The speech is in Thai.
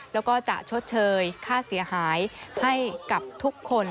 แล้วก็จะชดเชยค่าเสียหายให้กับทุกคน